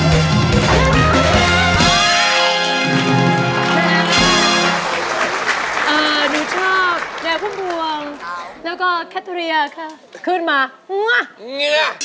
ดูข้างล่างครับ